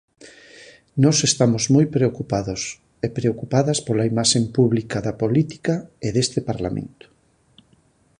Nós estamos moi preocupados e preocupadas pola imaxe pública da política e deste Parlamento.